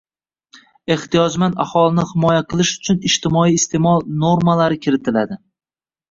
ehtiyojmand aholini himoya qilish uchun ijtimoiy iste’mol normalari kiritiladi.